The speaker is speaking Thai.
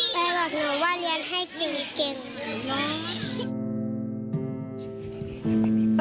เพราะหนูว่าเรียนให้กินเกมหนูนะ